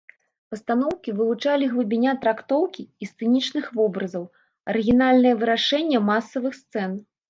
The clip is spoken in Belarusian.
Пастаноўкі вылучалі глыбіня трактоўкі і сцэнічных вобразаў, арыгінальнае вырашэнне масавых сцэн.